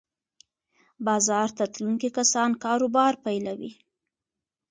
بازار ته تلونکي کسان کاروبار پیلوي.